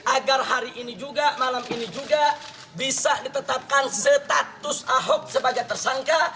agar hari ini juga malam ini juga bisa ditetapkan status ahok sebagai tersangka